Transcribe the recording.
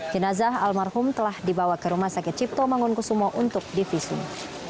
jenazah almarhum telah dibawa ke rumah sakit cipto mangunkusumo untuk divisum